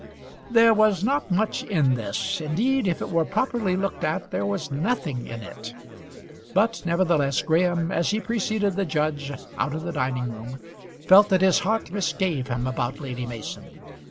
There was not much in this. Indeed if it were properly looked at there was nothing in it. But nevertheless Graham, as he preceded the judge out of the dining room, felt that his heart misgave him about Lady Mason.